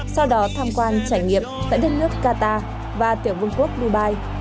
sau đó tham quan trải nghiệm tại đất nước qatar và tiểu vương quốc dubai